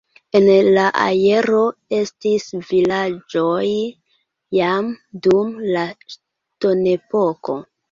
En la areo estis vilaĝoj jam dum la ŝtonepoko.